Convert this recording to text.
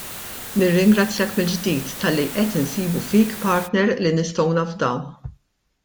Nirringrazzjak mill-ġdid talli qed insibu fik partner li nistgħu nafdaw.